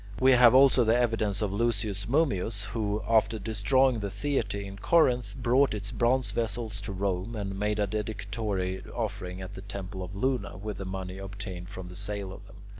We have also the evidence of Lucius Mummius, who, after destroying the theatre in Corinth, brought its bronze vessels to Rome, and made a dedicatory offering at the temple of Luna with the money obtained from the sale of them.